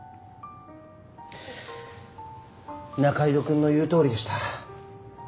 仲井戸くんの言うとおりでした。